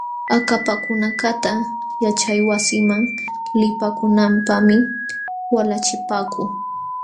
Akapakunakaqta yaćhaywasiman lipakunanpaqmi walachipaakuu.